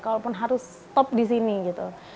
kalaupun harus stop di sini gitu